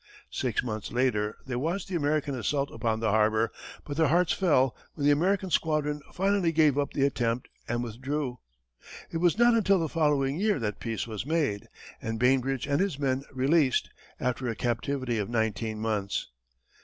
Six months later, they watched the American assault upon the harbor, but their hearts fell when the American squadron finally gave up the attempt and withdrew. It was not until the following year that peace was made, and Bainbridge and his men released, after a captivity of nineteen months.